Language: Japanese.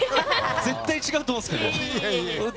絶対に違うと思うんですけど。